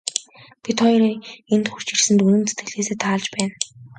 Би та хоёрын энд хүрч ирсэнд үнэн сэтгэлээсээ таалж байна.